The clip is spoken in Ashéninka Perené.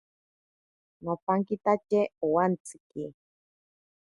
Nopankitatye owantsiki.